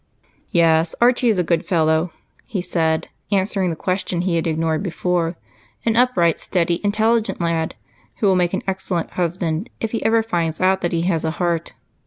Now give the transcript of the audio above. "Yes, Archie is a good fellow," he said, answering the question he had ignored before. "An upright, steady, intelligent lad who will make an excellent husband if he ever finds out that he has a heart.